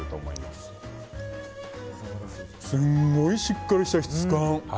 すごいしっかりした質感。